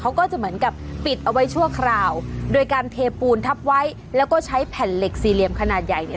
เขาก็จะเหมือนกับปิดเอาไว้ชั่วคราวโดยการเทปูนทับไว้แล้วก็ใช้แผ่นเหล็กสี่เหลี่ยมขนาดใหญ่เนี่ย